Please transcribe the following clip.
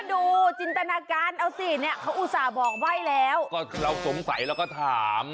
ดูจินตนาการเอาสิเนี่ยเขาอุตส่าห์บอกใบ้แล้วก็เราสงสัยเราก็ถาม